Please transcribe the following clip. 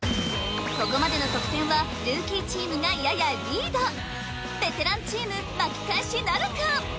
ここまでの得点はルーキーチームがややリードベテランチーム巻き返しなるか？